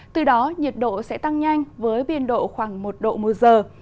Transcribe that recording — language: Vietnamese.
từ đó nhiệt độ sẽ tăng nhanh với biên độ khoảng một độ một giờ